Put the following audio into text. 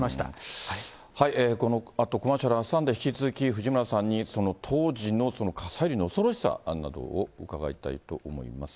このあと、コマーシャルを挟んで、引き続き、藤村さんにその当時の火砕流の恐ろしさなどを伺いたいと思います。